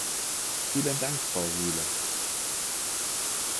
Vielen Dank, Frau Rühle.